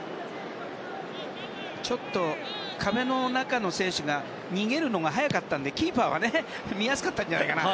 ちょっと壁の中の選手が逃げるのが早かったのでキーパーは見やすかったんじゃないかな。